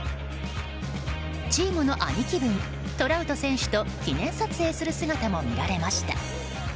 チームの兄貴分、トラウト選手と記念撮影する姿も見られました。